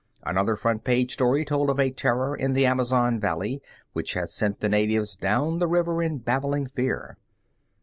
Another front page story told of a Terror in the Amazon Valley which had sent the natives down the river in babbling fear.